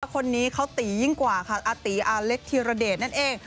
คนนี้เขาตียิ่งกว่าค่ะอาตีอาเล็กธิรเดชนั่นเอง